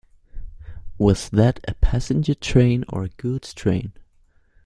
Was that a passenger train or a goods train?